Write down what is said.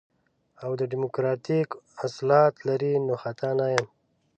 او ديموکراتيک اصالت لري نو خطا نه يم.